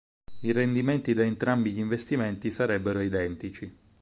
I rendimenti da entrambi gli investimenti sarebbero identici.